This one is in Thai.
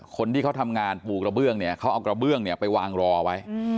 คนที่เขาทำงานปลูกกระเบื้องเนี่ยเขาเอากระเบื้องเนี่ยไปวางรอไว้